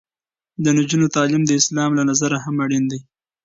د نجونو تعلیم د اسلام له نظره هم اړین دی.